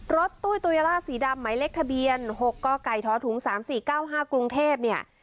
รถต้วยตัวยล่าสีดำไหมเล็กทะเบียนหกก้อกไก่ท้อถุงสามสี่เก้าห้ากรุงเทพเนี่ย